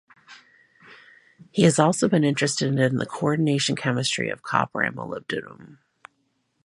He has also been interested in the coordination chemistry of copper and molybdenum.